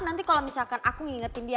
nanti kalau misalkan aku ngingetin dia